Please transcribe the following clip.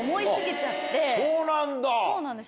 そうなんだ。